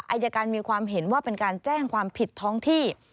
อายการมีความเห็นว่าเป็นการแจ้งความผิดท้องที่